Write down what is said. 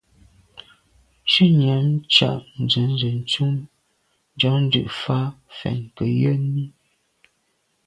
Shutnyàm tshan nzenze ntùm njon dù’ fa fèn ke yen i.